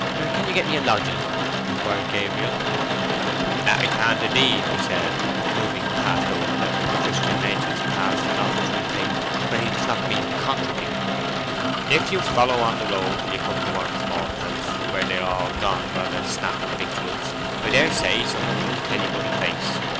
"Can you get me a lodging?" inquired Gabriel. "That I can't, indeed," he said, moving past Oak as a Christian edges past an offertory plate when he does not mean to contribute. "If you follow on the road till you come to Warren's Malthouse, where they are all gone to have their snap of victuals, I daresay some of 'em will tell you of a place.